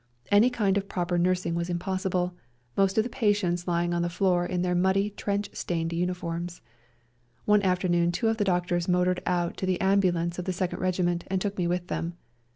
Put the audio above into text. Any kind of proper nursing was impossible, most of the patients lying on the floor in their muddy, trench stained uniforms. One afternoon two of the doctors motored out to the ambulance of the Second Regiment and took me with them.